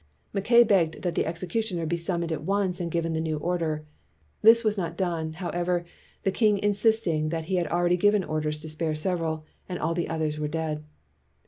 Mackay begged that the executioner be summoned at once and given the new order. This was not done, however, the king insist ing that he had already given orders to spare several, and all the others were dead.